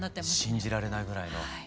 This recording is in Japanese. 信じられないぐらいのはい。